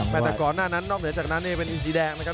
แต่แต่ก่อนหน้านั้นนอกจากนั้นเองเป็นอิซิแดงนะครับ